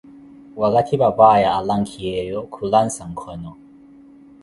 Waakathi papaya alankhiyeevo, khulansa nkhono.